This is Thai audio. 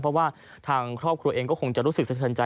เพราะว่าทางครอบครัวเองก็คงจะรู้สึกสะเทินใจ